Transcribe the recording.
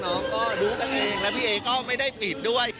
ก็ดูกันเองพี่เอ๋ก็ไม่ได้ปิดด้วย